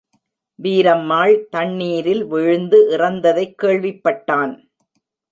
வீரம்மாள் தண்ணீரில், விழுந்து இறந்ததைக் கேள்விப்பட்டான்.